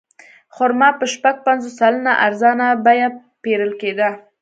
خرما په شپږ پنځوس سلنه ارزانه بیه پېرل کېده.